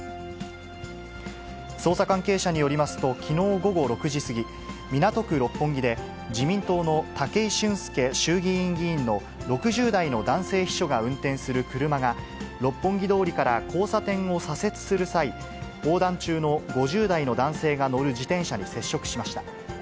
捜査関係者によりますと、きのう午後６時過ぎ、港区六本木で、自民党の武井俊輔衆議院議員の６０代の男性秘書が運転する車が、六本木通りから交差点を左折する際、横断中の５０代の男性が乗る自転車に接触しました。